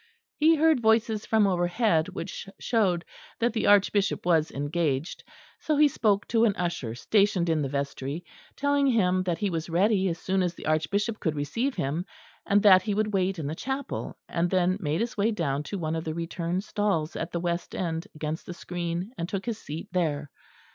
He heard voices from overhead, which showed that the Archbishop was engaged; so he spoke to an usher stationed in the vestry, telling him that he was ready as soon as the Archbishop could receive him, and that he would wait in the chapel; and then made his way down to one of the return stalls at the west end, against the screen, and took his seat there.